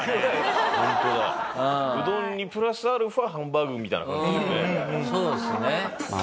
うどんにプラスアルファハンバーグみたいな感じですね。